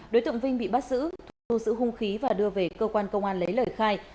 đối tượng vinh bị bắt giữ thu sự hung khí và đưa về cơ quan công an lấy lời khai